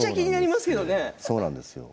そうなんですよ。